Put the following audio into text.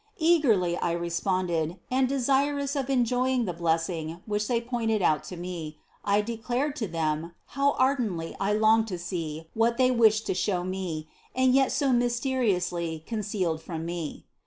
Eagerly I responded, and desirous of enjoying the blessing which they pointed out to me, I declared to them, how ardently I longed to see what they wished to show me and yet so mysteriously concealed from me.